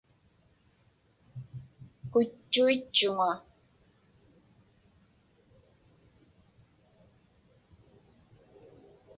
Kutchuitchuŋa.